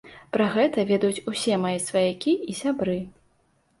Пра гэта ведаюць усе мае сваякі і сябры.